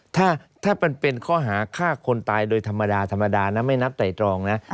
ถ้าเป็นเป็นข้อหาฆ่าคนตายโดยธรรมดาไม่นับแต่ตรอง